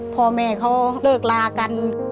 พ่อแม่เขาเลิกลากัน